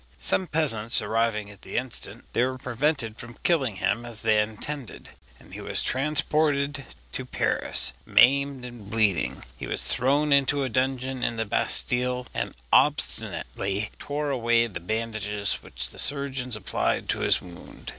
Some peasants arriving at the instant, they were prevented from killing him as they intended, and he was transported to Paris, maimed and bleeding. He was thrown into a dungeon in the Bastille, and obstinately tore away the bandages which the surgeons applied to his wound.